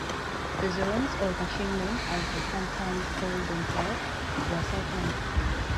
The Zoromes, or machine men as they sometimes called themselves, were cyborgs.